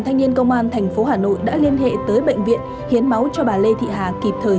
thanh niên công an thành phố hà nội đã liên hệ tới bệnh viện hiến máu cho bà lê thị hà kịp thời